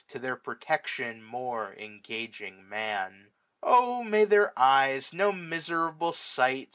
To their protection more engaging Man* 585 O MAY their eyes no miserable sight.